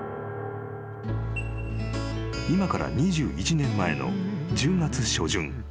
［今から２１年前の１０月初旬］